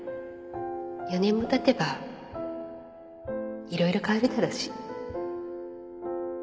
４年もたてば色々変わるだろうし